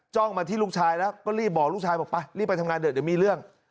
มาที่ลูกชายแล้วก็รีบบอกลูกชายบอกไปรีบไปทำงานเถอะเดี๋ยวมีเรื่อง